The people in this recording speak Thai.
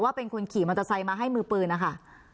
เป็นคนขี่มอเตอร์ไซค์มาให้มือปืนนะคะ